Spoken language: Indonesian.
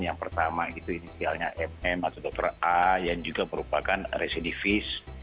yang pertama itu inisialnya mm atau dokter a yang juga merupakan residivis